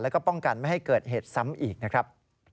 แล้วก็ป้องกันไม่ให้เกิดเหตุซ้ำอีกนะครับ